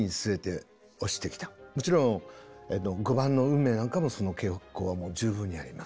もちろん５番の「運命」なんかもその傾向はもう十分にあります。